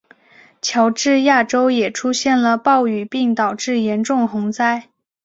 乔治亚州也出现了暴雨并导致严重洪灾。